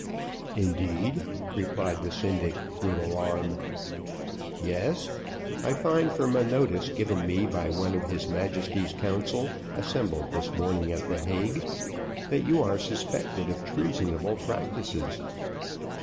"Indeed," replied the syndic, with alarm. "Yes; I find from a notice given me by one of his Majesty's council, assembled this morning at the Hague, that you are suspected of treasonable practices."